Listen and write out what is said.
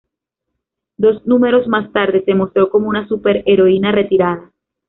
Dos números más tarde, se mostró como una superheroína retirada.